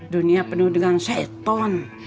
dunia penuh dengan seton